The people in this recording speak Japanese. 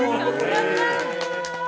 ◆やったー！